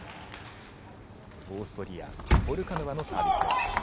オーストリアポルカノバのサービスです。